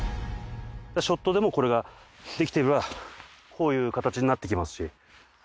ショットでもこれができていればこういう形になってきますし。